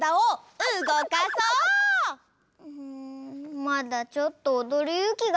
うんまだちょっとおどるゆうきがでないかも。